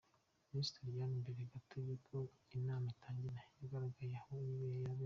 Miss Doriane mbere gato y'uko inama itangira yagaragaye aho yabereye.